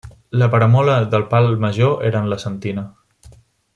La paramola del pal major era en la sentina.